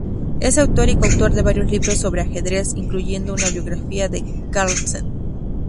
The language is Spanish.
Es autor y coautor de varios libros sobre ajedrez, incluyendo una biografía de Carlsen.